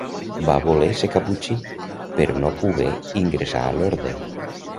Va voler ser caputxí, però no pogué ingressar a l'orde.